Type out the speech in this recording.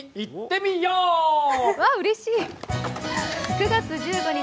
９月１５日